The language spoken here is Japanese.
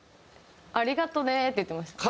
「ありがとね」って言ってました。